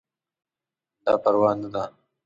دا پروانه ده